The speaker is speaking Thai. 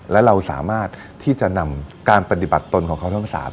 และเราสามารถที่จะนำการปฏิบัติตนของเขาทั้ง๓